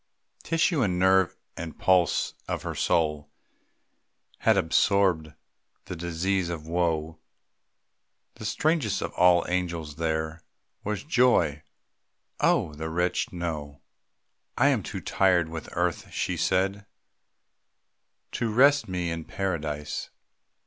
Tissue and nerve and pulse of her soul Had absorbed the disease of woe. The strangest of all the angels there Was Joy. (Oh, the wretched know!) "I am too tired with earth," she said, "To rest me in Paradise.